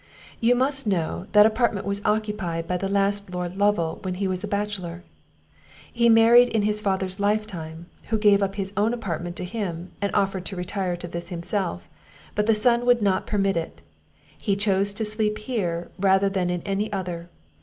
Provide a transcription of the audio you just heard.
"You must know, that apartment was occupied by the last Lord Lovel when he was a batchelor. He married in his father's lifetime, who gave up his own apartment to him, and offered to retire to this himself; but the son would not permit him; he chose to sleep here, rather than in any other.